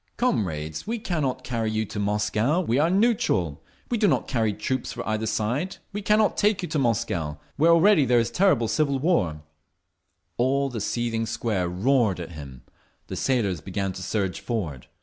"Comrades, we cannot carry you to Moscow. We are neutral. We do not carry troops for either side. We cannot take you to Moscow, where already there is terrible civil war…." All the seething Square roared at him; the sailors began to surge forward.